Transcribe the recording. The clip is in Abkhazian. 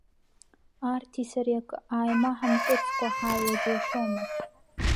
Арҭи сареи акы ааимаҳамкыцкәа ҳааиуа џьушьома?!